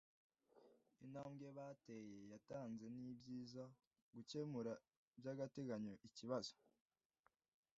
Intambwe bateye yatanze nibyiza gukemura by'agateganyo ikibazo.